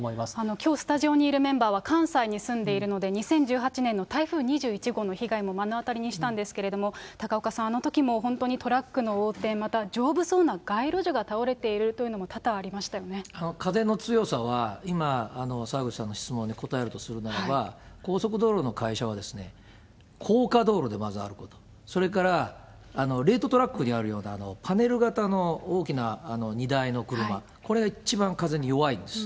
きょう、スタジオにいるメンバーは関西に住んでいるので、２０１８年の台風２８号の被害も目の当たりにしたんですけど、高岡さん、あのときも本当にトラックの横転、または丈夫そうな街路樹が倒れているというのも、多々ありました風の強さは、今、澤口さんの質問に答えるとするならば、高速道路の会社はですね、高架道路で、まずあるということ、それから、トラックにあるようなパネル型の大きな荷台の車、これは一番風に弱いんです。